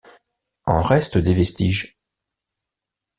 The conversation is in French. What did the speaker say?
En reste des vestiges.